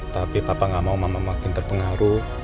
tapi papa gak mau mama makin terpengaruh